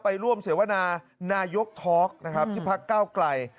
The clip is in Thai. ไปร่วมเสวนานายกทอล์กที่ภาคกล้าวไกล